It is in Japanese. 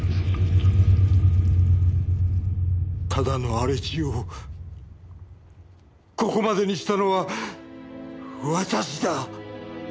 ただの荒れ地をここまでにしたのは私だ！